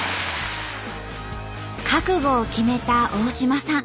覚悟を決めた大島さん。